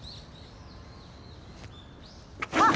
あっ。